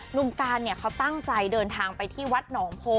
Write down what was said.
หนุ่มการเขาต้องการเดินทางไปที่วัดหนองโพอ